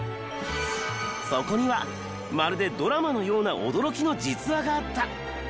そこにはまるでドラマのような驚きの実話があった！